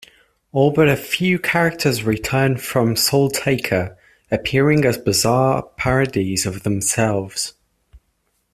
All but a few characters return from SoulTaker, appearing as bizarre parodies of themselves.